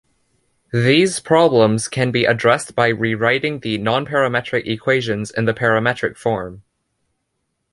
These problems can be addressed by rewriting the non-parametric equations in parametric form.